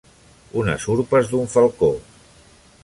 Unes urpes d'un falcó.